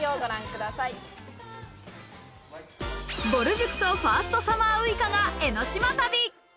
ぼる塾とファーストサマーウイカが江の島旅。